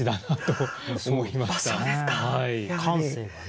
感性がね。